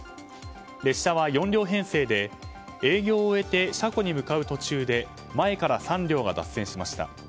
列車は４両編成で営業を終えて車庫に向かう途中で前から３両が脱線しました。